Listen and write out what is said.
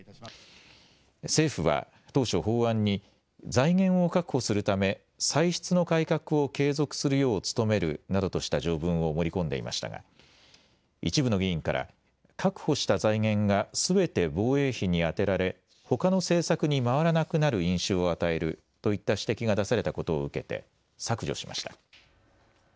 政府は当初法案に財源を確保するため歳出の改革を継続するよう努めるなどとした条文を盛り込んでいましたが一部の議員から確保した財源がすべて防衛費に充てられ、ほかの政策に回らなくなる印象を与えるといった指摘が出されたことを受けて削除しました。